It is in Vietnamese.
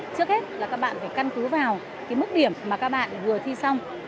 trước hết là các bạn phải căn cứ vào cái mức điểm mà các bạn vừa thi xong